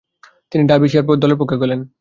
তিনি ডার্বিশায়ার দলের পক্ষে খেলেন।